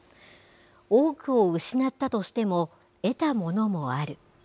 多くを失ったとしても、得たものもある。